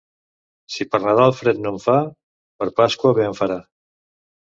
Si per Nadal fred no en fa, per Pasqua bé en farà.